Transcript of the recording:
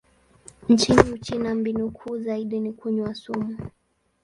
Nchini Uchina, mbinu kuu zaidi ni kunywa sumu.